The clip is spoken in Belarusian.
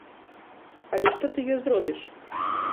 Але што ты ёй зробіш!